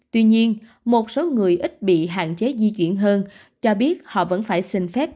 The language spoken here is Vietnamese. tuy nhiên một số người ít bị hạn chế di chuyển hơn cho biết họ vẫn phải xin phép